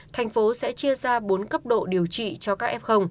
thành phố sẽ chia ra bốn cấp độ điều trị cho các f